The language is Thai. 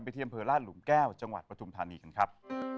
ไปเที่ยมเผลอราชหลุมแก้วจังหวัดประถุมธานีกันครับ